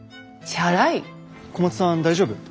小松さん大丈夫？